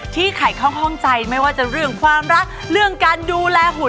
ใครข้องใจไม่ว่าจะเรื่องความรักเรื่องการดูแลหุ่น